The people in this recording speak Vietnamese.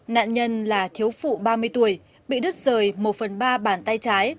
nạn nhân là thiếu phụ ba mươi tuổi bị đứt rời một phần ba bàn tay trái